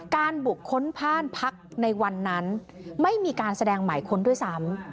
บุคคลพ่านพักในวันนั้นไม่มีการแสดงหมายค้นด้วยซ้ำ